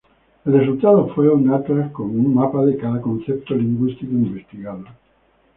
El resultado fue un atlas con un mapa para cada concepto lingüístico investigado.